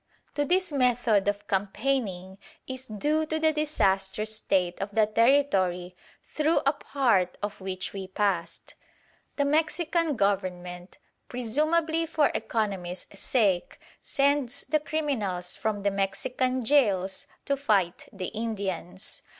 To this method of campaigning is due the disastrous state of the Territory, through a part of which we passed. The Mexican Government, presumably for economy's sake, sends the criminals from the Mexican gaols to fight the Indians.